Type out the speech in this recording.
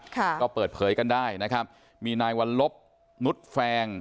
ค่ะก็เปิดเผยกันได้นะครับมีนายวัลลบนุษย์แฟง